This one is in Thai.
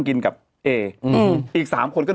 คนที่เราทำ